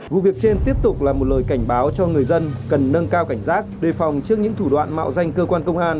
vụ việc trên tiếp tục là một lời cảnh báo cho người dân cần nâng cao cảnh giác đề phòng trước những thủ đoạn mạo danh cơ quan công an